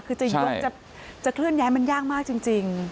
คือจะยกจะเคลื่อนย้ายมันยากมากจริง